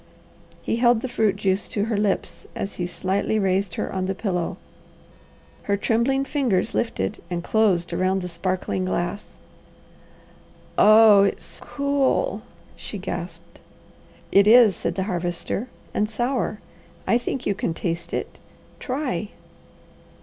He held the fruit juice to her lips as he slightly raised her on the pillow. Her trembling fingers lifted and closed around the sparkling glass. "Oh it's cool!" she gasped. "It is," said the Harvester, "and sour! I think you can taste it. Try!"